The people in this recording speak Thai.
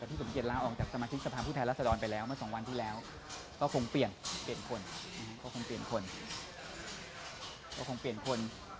แต่ที่สมเกียจแล้วออกจากสมาชิกสภาพฤทธิรัสดรไปแล้วเมื่อ๒วันที่แล้วก็คงเปลี่ยนคน